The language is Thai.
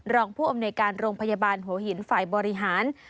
รองผู้อำนวยการโรงพยาบาลหัวหินฝ่ายบริหาร